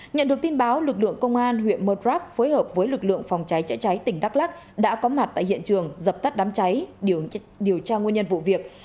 nhận được tin báo lực lượng công an huyện murdrock phối hợp với lực lượng phòng cháy chữa cháy tỉnh đắk lắc đã có mặt tại hiện trường dập tắt đám cháy điều tra nguyên nhân vụ việc